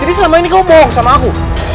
jadi selama ini kamu bohong sama aku